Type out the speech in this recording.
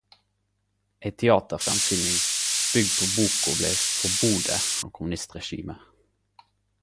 Ei teaterframsyning bygd på boka blei forbode av kommunistregimet.